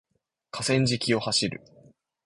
河川敷を走る